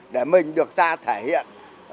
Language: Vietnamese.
để mình được ra thể hiện